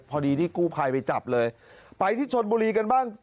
พอดีที่กู้ภัยไปจับเลยไปที่ชนบุรีกันบ้าง